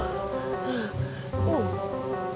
kita cari rumah bertanda bro